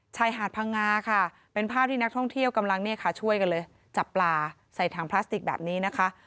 ชายหาดพังงาค่ะเป็นภาพที่นักท่องเที่ยวกำลังเนี่ยค่ะช่วยกันเลยจับปลาใส่ถังพลาสติกแบบนี้นะคะ